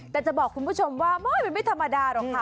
แต่จะบอกคุณผู้ชมว่ามันไม่ธรรมดาหรอกค่ะ